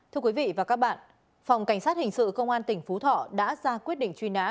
thưa quý vị và các bạn phòng cảnh sát hình sự công an tỉnh phú thọ đã ra quyết định truy nã